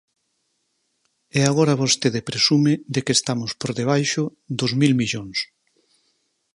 E agora vostede presume de que estamos por debaixo dos mil millóns.